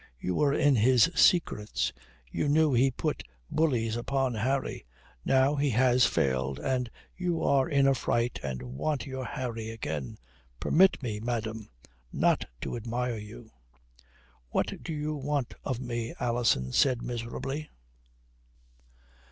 You were in his secrets. You knew he put bullies upon Harry. Now he has failed and you are in a fright and want your Harry again. Permit me, madame, not to admire you." "What do you want of me?" Alison said miserably.